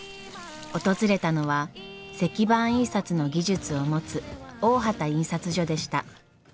訪れたのは石版印刷の技術を持つ大畑印刷所でした。